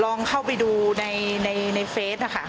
ลองเข้าไปดูในเฟซค่ะ